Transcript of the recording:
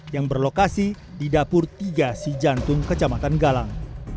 yang berlokasi di dapur tiga si jantung kecamatan galang